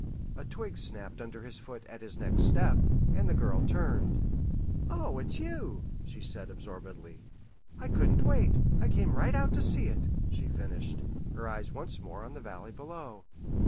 A twig snapped under his foot at his next step, and the girl turned. "Oh, it's you," she said absorbedly. "I couldn't wait. I came right out to see it," she finished, her eyes once more on the valley below.